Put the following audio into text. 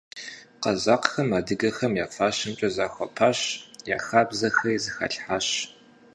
Къэзакъхэм адыгэхэм я фащэмкӀэ захуэпащ, я хабзэхэри зыхалъхьащ.